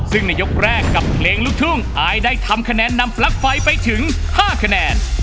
ซึ่งในยกแรกกับเพลงลูกทุ่งอายได้ทำคะแนนนำปลั๊กไฟไปถึง๕คะแนน